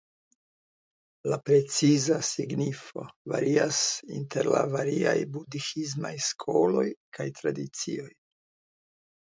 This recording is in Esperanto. La preciza signifo varias inter la variaj budhismaj skoloj kaj tradicioj.